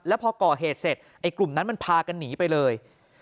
แล้วพอก่อเหตุเสร็จไอ้กลุ่มนั้นมันพากันหนีไปเลย